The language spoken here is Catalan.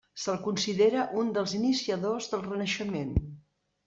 Se'l considera un dels iniciadors del Renaixement.